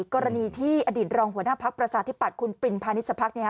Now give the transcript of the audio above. กรณีที่อดีตรองหัวหน้าพักประชาธิปัตย์คุณปรินพาณิชพัก